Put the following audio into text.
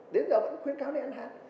đến giờ vẫn khuyến cáo nên ăn hạt